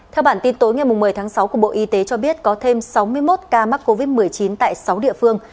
theo bản tin tối ngày một mươi tháng sáu của bộ y tế cho biết có thêm sáu mươi một ca mắc covid một mươi chín tại sáu địa phương